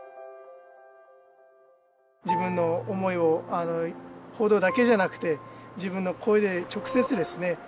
自分の思いを報道だけじゃなくて自分の声で直接ですね